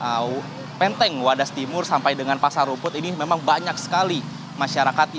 atau penteng wadas timur sampai dengan pasar rumput ini memang banyak sekali masyarakatnya